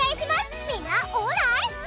みんなオーライ！